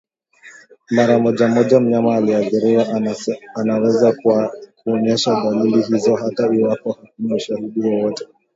Mara moja moja mnyama aliyeathiriwa anaweza kuonyesha dalili hizi hata iwapo hakuna ushahidi wowote